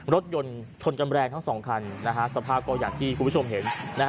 รถยนต์ชนอย่างแรงทั้ง๒ที่ท่านเห็น